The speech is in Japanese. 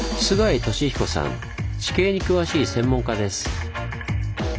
地形に詳しい専門家です。